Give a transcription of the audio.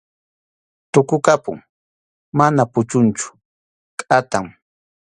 Tukukapun, mana puchunchu, kʼatam.